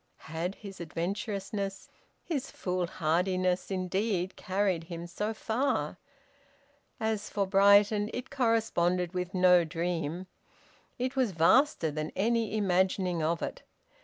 Had his adventurousness, his foolhardiness, indeed carried him so far? As for Brighton, it corresponded with no dream. It was vaster than any imagining of it.